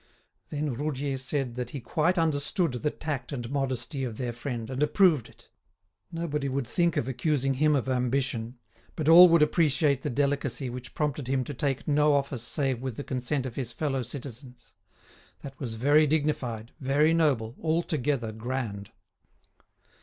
Then Roudier said that he quite understood the tact and modesty of their friend, and approved it. Nobody would think of accusing him of ambition, but all would appreciate the delicacy which prompted him to take no office save with the consent of his fellow citizens. That was very dignified, very noble, altogether grand.